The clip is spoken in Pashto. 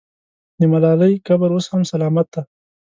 د ملالۍ قبر اوس هم سلامت دی.